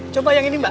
coba yang ini mbak